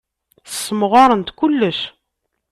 Ssemɣarent kullec.